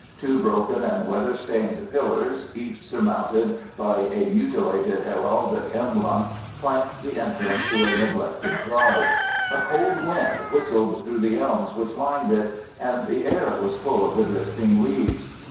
Two broken and weather stained pillars, each surmounted by a mutilated heraldic emblem, flanked the entrance to a neglected drive. A cold wind whistled through the elms which lined it, and the air was full of the drifting leaves.